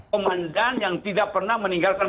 komandan yang tidak pernah meninggalkan